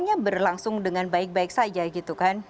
semuanya berlangsung dengan baik baik saja gitu kan